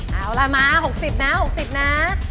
เอาล่ะมา๖๐นะ๖๐นะ